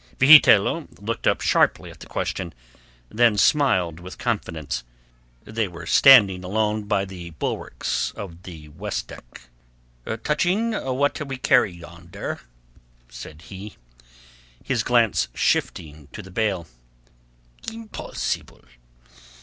Vigitello looked up sharply at the question, then smiled with confidence. They were standing alone by the bulwarks on the waist deck. "Touching what we carry yonder?" quoth he, his glance shifting to the bale. "Impossible.